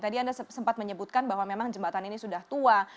tadi anda sempat menyebutkan bahwa memang jembatan ini sudah tua